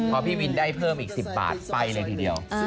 พอพี่วินได้เพิ่มอีก๑๐บาทไปเลยทีเดียว